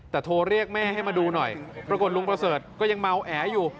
แต่โทรเรียกแม่ให้มาดูหน่อยปรากฏลุงประเสริฐก็ยังเมาแออยู่